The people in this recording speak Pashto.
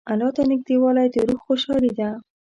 الله ته نېږدېوالی د روح خوشحالي ده.